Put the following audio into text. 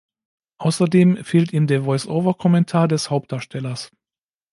Außerdem fehlt ihm der Voice-over-Kommentar des Hauptdarstellers.